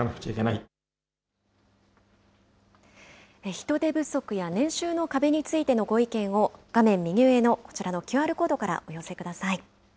人手不足や年収の壁についてのご意見を、画面右上のこちらのＱＲコードから、お寄せください。